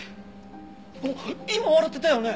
あっ今笑ってたよね？